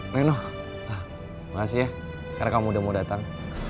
lenoh makasih ya karena kamu udah mau datang